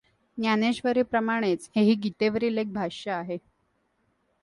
ज्ञानेश्वरीप्रमाणेच हेही गीतेवरील एक भाष्य आहे.